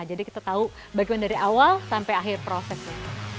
jadi kita tahu bagaimana dari awal sampai akhir prosesnya